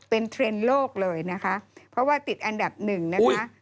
เป็นเทรนด์โลกเลยนะคะเพราะว่าติดอันดับหนึ่งนะคะ